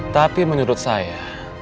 tapi menurut saya